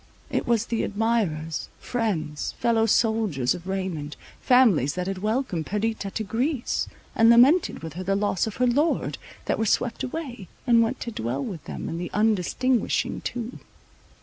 It was the admirers, friends, fellow soldiers of Raymond, families that had welcomed Perdita to Greece, and lamented with her the loss of her lord, that were swept away, and went to dwell with them in the undistinguishing tomb.